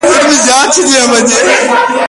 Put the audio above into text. وردک لوګر دايکندي سرپل تخار جوزجان